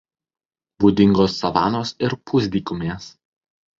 Būdingos savanos ir pusdykumės.